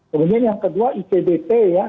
kemudian yang kedua icbp ya